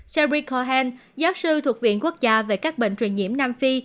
serie cohen giáo sư thuộc viện quốc gia về các bệnh truyền nhiễm nam phi